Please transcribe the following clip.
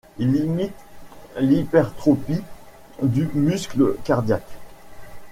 Il limite l'hypertrophie du muscle cardiaque.